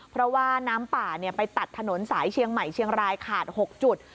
เพราะว่าน้ำป่าไปตัดถนนสายเชียงใหม่เชียงรายขาด๖จุด